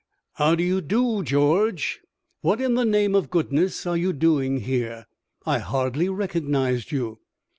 "How do you do, George? What in the name of goodness are you doing here? I hardly recognized you."